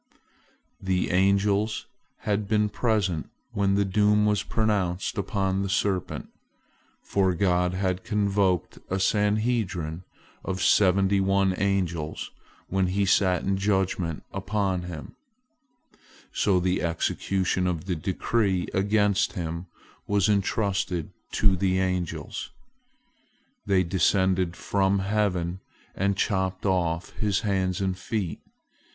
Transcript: As angels had been present when the doom was pronounced upon the serpent—for God had convoked a Sanhedrin of seventy one angels when He sat in judgment upon him—so the execution of the decree against him was entrusted to angels. They descended from heaven, and chopped off his hands and feet.